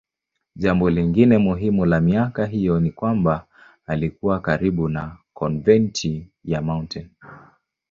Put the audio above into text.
Jambo lingine muhimu la miaka hiyo ni kwamba alikuwa karibu na konventi ya Mt.